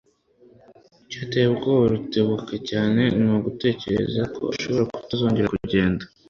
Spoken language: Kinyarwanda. Icyateye ubwoba Rutebuka cyane ni ugutekereza ko ashobora kutazongera kugenda.